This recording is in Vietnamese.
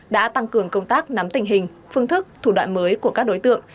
đã tăng cường công tác nắm tình hình phương thức thủ đoạn mới của các đối tượng